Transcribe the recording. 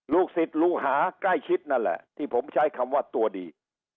ลูกศิษย์ลูกหาใกล้ชิดนั่นแหละที่ผมใช้คำว่าตัวดี